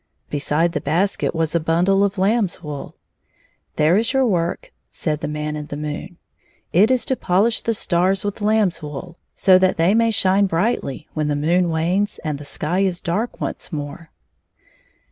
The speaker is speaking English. Beside the basket was a bundle of lamb's wool. " There is your work," said the Man in the moon. *^It is to polish the stars with lamb^s wool, so that they may shine brightly when the moon wanes and the sky is dark once more."